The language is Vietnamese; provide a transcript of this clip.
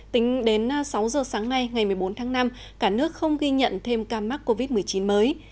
tính đến sáu giờ sáng nay ngày một mươi bốn tháng năm cả nước không ghi nhận thêm ca mắc covid một mươi chín mới